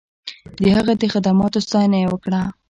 د هغه د خدماتو ستاینه یې وکړه.